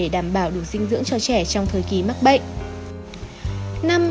để đảm bảo đủ dinh dưỡng cho trẻ trong thời kỳ mắc bệnh